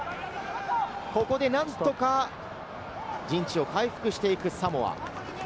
なんとか陣地を回復していくサモア。